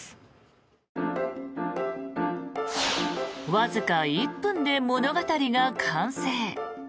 わずか１分で物語が完成。